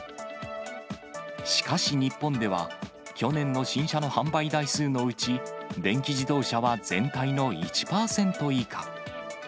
しかし日本では、去年の新車の販売台数のうち、電気自動車は全体の１％以下。